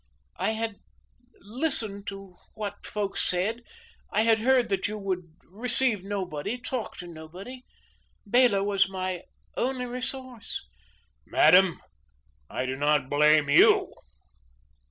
"I had listened to what folks said. I had heard that you would receive nobody; talk to nobody. Bela was my only resource." "Madam, I do not blame YOU."